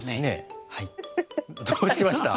どうしました？